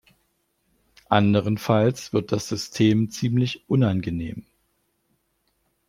Anderenfalls wird das System ziemlich unangenehm.